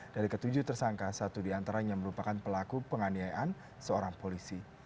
dari ketujuh tersangka satu diantaranya merupakan pelaku penganiayaan seorang polisi